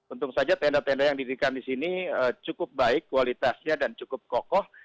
untung saja tenda tenda yang didirikan di sini cukup baik kualitasnya dan cukup kokoh